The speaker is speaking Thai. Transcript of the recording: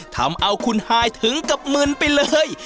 ทำเอาคุณฮายถึงกับมึนไปเลย